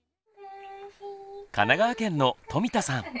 神奈川県の冨田さん。